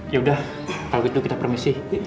yaudah kalau gitu kita permisi